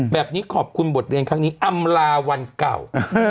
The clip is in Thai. แบบนี้ขอบคุณบทเรียนครั้งนี้อำลาวันเก่า